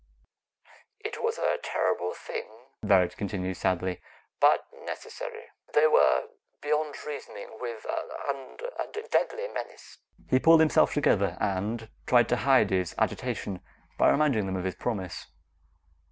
"It was a terrible thing," Varret continued sadly, "but necessary. They were beyond reasoning with, and a deadly menace." He pulled himself together and tried to hide his agitation by reminding them of his promise.